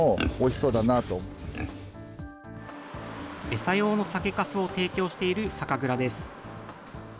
餌用の酒かすを提供している酒蔵です。